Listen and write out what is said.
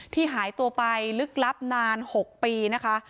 หายตัวไปลึกลับนาน๖ปีนะคะ